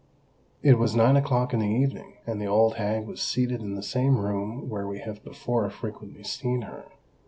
It was nine o'clock in the evening; and the old hag was seated in the same room where we have before frequently seen her.